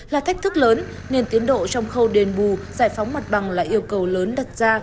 là thách thức lớn nên tiến độ trong khâu đền bù giải phóng mặt bằng là yêu cầu lớn đặt ra